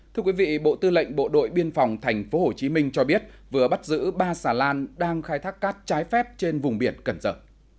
thưa quý vị bộ tư lệnh bộ đội biên phòng tp hcm cho biết vừa bắt giữ ba xà lan đang khai thác cát trái phép trên vùng biển cần sở